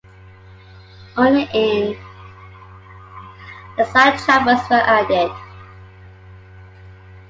Only in (...) the side chapels were added.